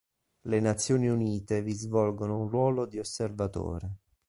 Le Nazioni Unite vi svolgono un ruolo di osservatore.